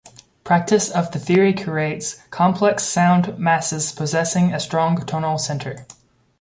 Practice of the theory creates "complex sound masses possessing a strong tonal center".